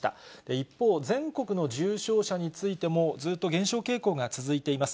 一方、全国の重症者についても、ずっと減少傾向が続いています。